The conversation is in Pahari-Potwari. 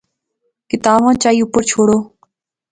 کتاواں چائی اوپر شوڑو